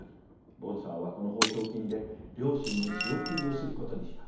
ボンサーはこの報奨金で両親に仕送りをすることにした。